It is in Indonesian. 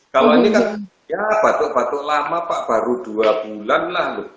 kalau ini kan ya batuk batuk lama pak baru dua bulan lah